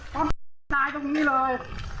ต้องตายตรงนี้เลย